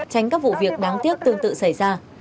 tránh các vụ việc đáng tiếc tương tự xảy ra